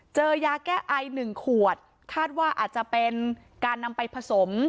ยาแก้ไอ๑ขวดคาดว่าอาจจะเป็นการนำไปผสม